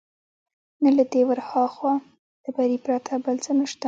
نه له دې ورهاخوا، له بري پرته بل څه نشته.